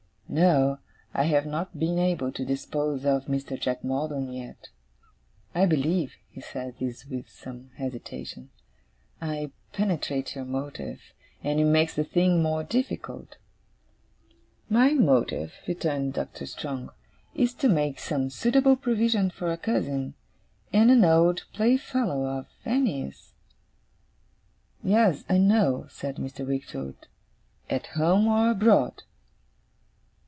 No, I have not been able to dispose of Mr. Jack Maldon yet. I believe,' he said this with some hesitation, 'I penetrate your motive, and it makes the thing more difficult.' 'My motive,' returned Doctor Strong, 'is to make some suitable provision for a cousin, and an old playfellow, of Annie's.' 'Yes, I know,' said Mr. Wickfield; 'at home or abroad.